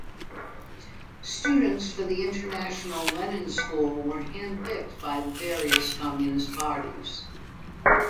Students for the International Lenin School were hand-picked by the various Communist Parties.